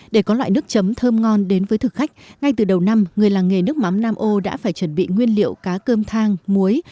để có loại nước chấm thơm ngon đến với thực khách ngay từ đầu năm người làng nghề nước mắm nam âu đã phải chuẩn bị nguyên liệu cá cơm thang muối